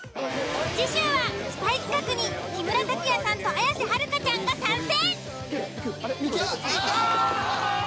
次週はスパイ企画に木村拓哉さんと綾瀬はるかちゃんが参戦！